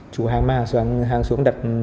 chủ hàng mà hàng xuống đặt